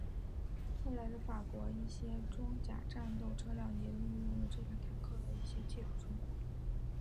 后来的法国一些装甲战斗车辆也利用了这款坦克的一些技术成果。